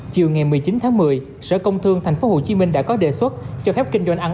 chiều ngày một mươi chín tháng một mươi sở công thương thành phố hồ chí minh đã có đề xuất cho phép kinh doanh ăn